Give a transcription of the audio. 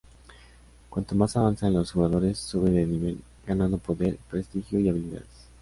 Cuanto más avanzan los jugadores, suben de nivel, ganando poder, prestigio y habilidades.